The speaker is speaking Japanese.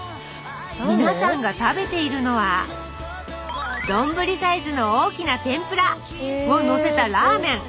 皆さんが食べているのは丼サイズの大きな天ぷら！をのせたラーメン！